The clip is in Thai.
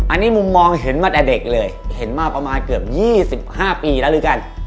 อันนี้มุมมองเห็นมาแต่เด็กเลยเห็นมาประมาณเกือบ๒๕ปีแล้วหรือกัน